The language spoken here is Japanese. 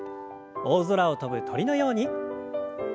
大空を飛ぶ鳥のように。